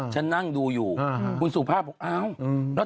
ฉันนั่งดูอยู่คุณสูฟาภาพโอ้ย